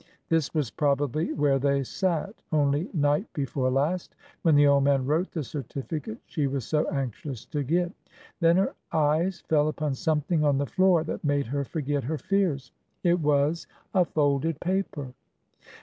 This was probably where they sat, only night before last, when the old man wrote the certificate she was so anxious to get. Then her eyes fell upon something on the floor that made her forget her fears. It was a folded paper.